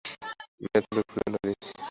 মেয়ার, okay ঢুকতে দিও না, প্লিজ।